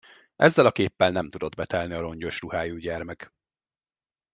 Ezzel a képpel nem tudott betelni a rongyos ruhájú gyermek.